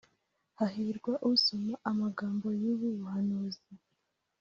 Hahirwa usoma amagambo y’ubu buhanuzi,